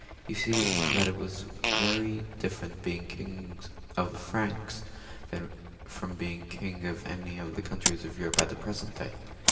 You see that it was very dififerent being king of the Franks from being king of any of the countries of Europe at the present day.